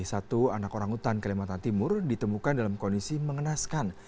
satu anak orangutan kalimantan timur ditemukan dalam kondisi mengenaskan